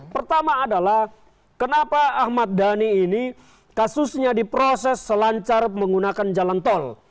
pertama adalah kenapa ahmad dhani ini kasusnya diproses selancar menggunakan jalan tol